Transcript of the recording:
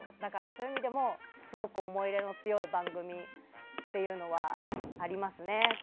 そういう意味でもすごく思い入れの強い番組っていうのはありますね。